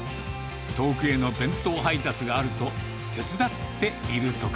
遠くへの弁当配達があると、手伝っているとか。